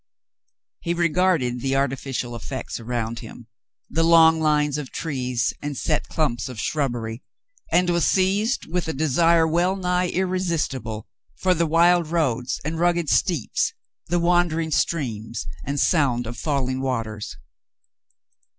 He regarded the artificial effects around him, the long lines of trees and set clumps of shrubbery, and was seized with a desire well nigh irresistible for the wild roads and rugged 242 The Mountain Girl steeps — the wandering streams and sound of falling waters.